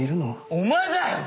お前だよ！